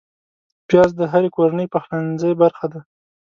پیاز د هرې کورنۍ پخلنځي برخه ده